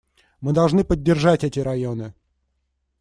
Мы должны поддержать эти районы.